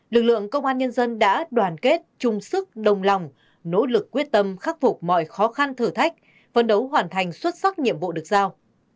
lực lượng công an nhân dân đã đoàn kết chung sức đồng lòng nỗ lực quyết tâm khắc phục mọi khó khăn thử thách phân đấu hoàn thành xuất sắc nhiệm vụ được giao